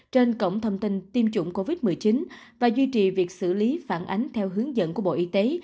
trên cổng thông tin tiêm chủng covid một mươi chín và duy trì việc xử lý phản ánh theo hướng dẫn của bộ y tế